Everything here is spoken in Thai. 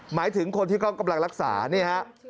หมายถึงคนที่เขากำลังรักษานี่ฮะ